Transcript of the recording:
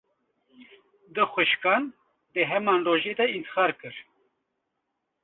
Du xwişkan, di heman rojê de întixar kir